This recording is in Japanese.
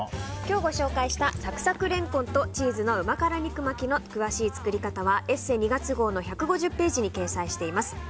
今日ご紹介したサクサクレンコンとチーズのうま辛肉巻きの詳しい作り方は「ＥＳＳＥ」２月号の１５０ページに掲載しています。